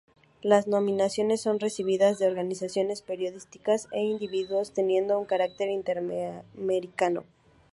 Las nominaciones son recibidas de organizaciones periodísticas e individuos, teniendo un carácter interamericano.